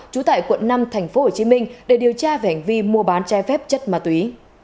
trú tại quận năm tp hcm để điều tra vẻnh vi mua bán trai phép chất ma túy